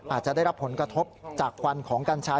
อาจจะได้รับผลกระทบจากควันของกัญชา